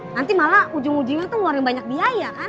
nanti malah ujung ujungnya tuh ngeluarin banyak biaya kan